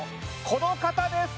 この方です